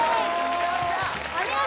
お見事